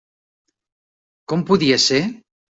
Com podia ser?